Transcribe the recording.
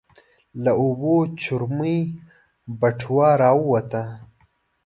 له اوبو چرمي بټوه راووته.